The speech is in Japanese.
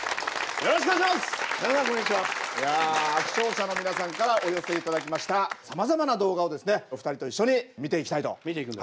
視聴者の皆さんからお寄せ頂きましたさまざまな動画をですねお二人と一緒に見ていきたいと。